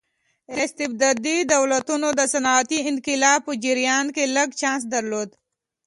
استبدادي دولتونو د صنعتي انقلاب په جریان کې لږ چانس درلود.